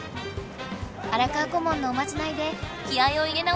荒川顧問のおまじないで気合いを入れ直したルナ。